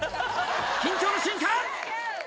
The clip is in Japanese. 緊張の瞬間！